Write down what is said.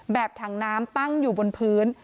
ถังน้ำตั้งอยู่บนพื้น